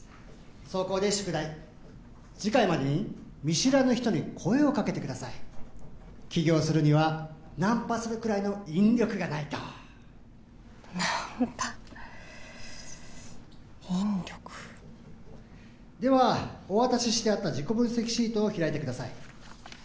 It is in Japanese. そこで宿題次回までに見知らぬ人に声をかけてください起業するにはナンパするくらいの引力がないとナンパ引力ではお渡ししてあった自己分析シートを開いてください